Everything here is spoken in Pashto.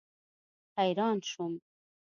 حیران شوم.